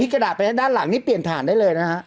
กระดาษไปด้านหลังนี่เปลี่ยนฐานได้เลยนะฮะ